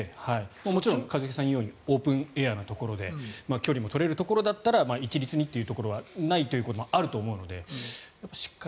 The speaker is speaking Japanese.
もちろん一茂さんが言うようにオープンエアなところで距離も取れるところだったら一律にというところはないということもあると思うのでしっかり。